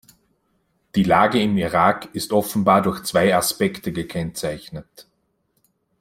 Die Lage im Irak ist offenbar durch zwei Aspekte gekennzeichnet.